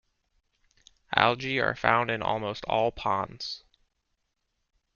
Algae are found in almost all ponds.